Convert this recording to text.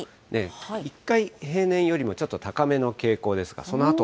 １回平年よりもちょっと高めの傾向ですが、そのあと。